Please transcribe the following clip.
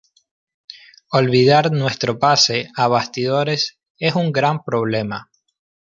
Olvidar nuestro pase a bastidores es un gran problema".